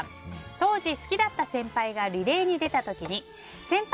当時、好きだった先輩がリレーに出た時に先輩！